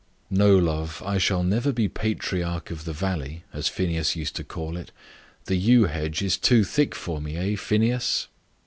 "No, love; I shall never be 'patriarch of the valley,' as Phineas used to call it. The yew hedge is too thick for me, eh, Phineas?"